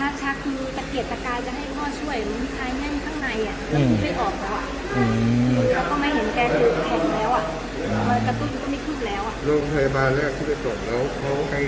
ไม่ค่ะโรงพยาบาลของแม่ของน้องก็ซิรินทร